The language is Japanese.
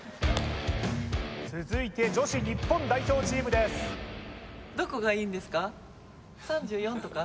続いて女子日本代表チームです３４とか？